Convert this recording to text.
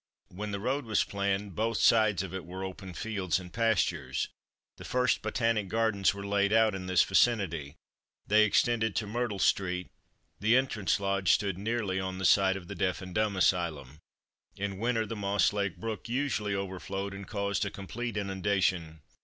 When the road was planned both sides of it were open fields and pastures. The first Botanic Gardens were laid out in this vicinity; they extended to Myrtle street, the entrance Lodge stood nearly on the site of the Deaf and Dumb Asylum. In winter the Moss Lake Brook usually overflowed and caused a complete inundation.